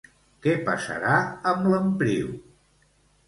Què passarà amb l'empriu?